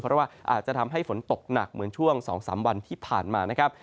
เพราะว่าอาจจะทำให้ฝนตกหนักเหมือนช่วง๒๓วันที่ผ่านมานะครับ